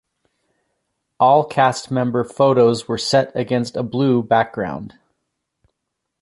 All cast member photos were set against a blue background.